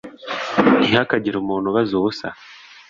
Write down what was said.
ntihakagire umuntu ubaza ubusa